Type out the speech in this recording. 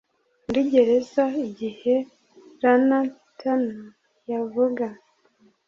muri gereza igihe Lana Turner yavuga